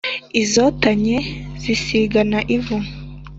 Izotanye zisigana ivu.